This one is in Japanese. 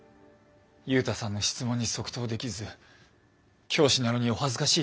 ユウタさんの質問に即答できず教師なのにお恥ずかしい限りです。